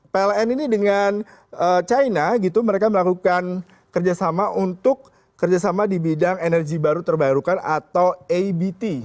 pln ini dengan china gitu mereka melakukan kerjasama untuk kerjasama di bidang energi baru terbarukan atau abt